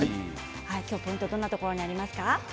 ポイントはどんなところにありますか？